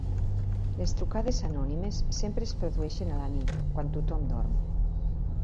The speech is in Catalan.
Les trucades anònimes sempre es produeixen a la nit, quan tothom dorm.